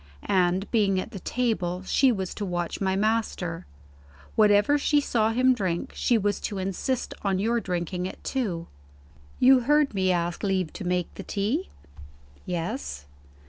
And, being at the table, she was to watch my master. Whatever she saw him drink, she was to insist on your drinking it too. You heard me ask leave to make the tea?" "Yes."